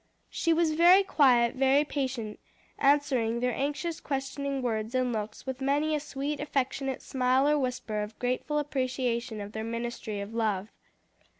She was very quiet, very patient, answering their anxious, questioning words and looks with many a sweet, affectionate smile or whisper of grateful appreciation of their ministry of love.